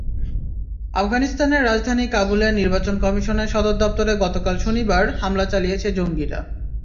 আফগানিস্তানের রাজধানী কাবুলে নির্বাচন কমিশনের সদর দপ্তরে গতকাল শনিবার হামলা চালিয়েছে জঙ্গিরা।